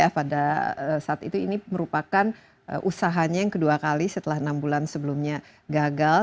pada saat itu ini merupakan usahanya yang kedua kali setelah enam bulan sebelumnya gagal